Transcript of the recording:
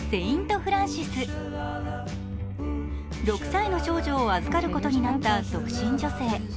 ６歳の少女を預かることになった独身女性。